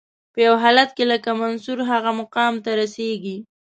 په یو حالت کې لکه منصور هغه مقام ته رسیږي.